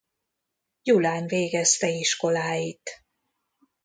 Gyulán végezte iskoláit.